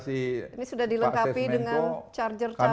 ini sudah dilengkapi dengan charger charge